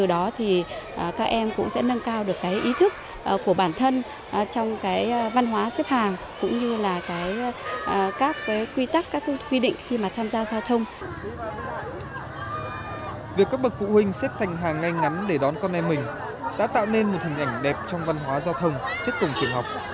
việc các bậc phụ huynh xếp thành hàng ngay ngắn để đón con em mình đã tạo nên một hình ảnh đẹp trong văn hóa giao thông trước cổng trường học